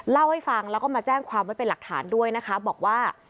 เล่าให้ฟังแล้วก็มาแจ้งความไว้เป็นหลักฐานด้วยนะคะบอกว่า